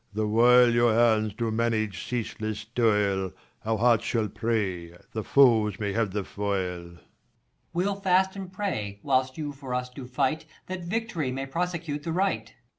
The while your hands do manage ceaseless toil, Our hearts shall pray, the foes may have the foil. Per. We'll fast and pray, whilst you for us do fight, 3 5 That victory may prosecute the right. King.